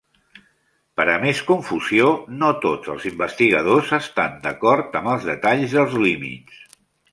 Per a més confusió, no tots els investigadors estan d"acord amb els detalls dels límits.